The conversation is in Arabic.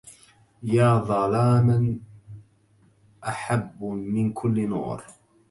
يا ظلاما أحب من كل نور